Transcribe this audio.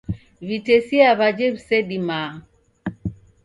W'itesie aw'aje w'isedimaa